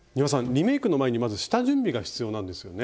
リメイクの前にまず下準備が必要なんですよね。